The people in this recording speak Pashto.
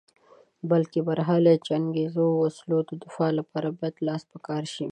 بلکې د برحاله جنګیزو وسلو د دفاع لپاره باید لاس په کار شې.